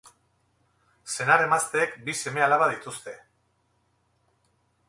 Senar-emazteek bi seme-alaba dituzte.